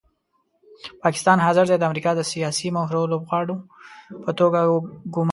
پاکستان حاضر دی د امریکا د سیاسي مهرو لوبغاړو په توګه ګوماري.